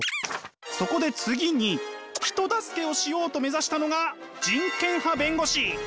そこで次に人助けをしようと目指したのが人権派弁護士。